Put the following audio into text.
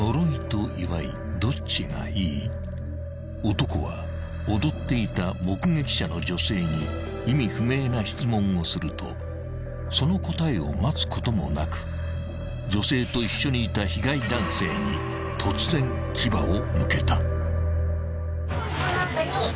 ［男は踊っていた目撃者の女性に意味不明な質問をするとその答えを待つこともなく女性と一緒にいた被害男性に突然牙を向けた］